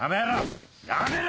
やめろ！